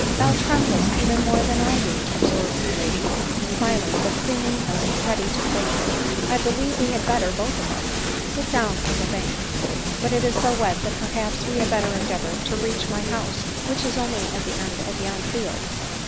" Thou tremblest even more than I do," observed the lady, smiling, but seeming ready to faint ;" I believe we had better, both of us, sit down on the bank ; but it is so wet that perhaps we had better endeavor to reach my house, which is only at the end of yon field."